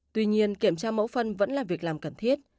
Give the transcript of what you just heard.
tuy nhiên kiểm tra mẫu phân vẫn là việc làm cần thiết